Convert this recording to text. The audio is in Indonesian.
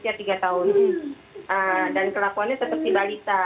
anak usia tiga tahun dan kelakuannya tetap tiba tiba